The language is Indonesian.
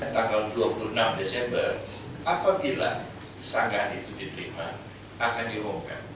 tanggal dua puluh enam desember apabila sangkaan itu diterima akan diumumkan